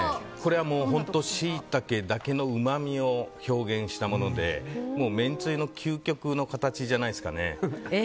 しいたけのうまみだけを表現したもので、めんつゆの究極の形じゃないですかね。